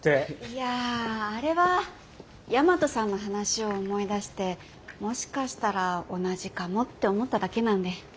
いやあれは大和さんの話を思い出してもしかしたら同じかもって思っただけなんで。